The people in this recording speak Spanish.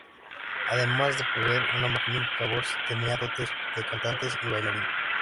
Además de poseer una magnífica voz, tenía dotes de cantante y bailarín.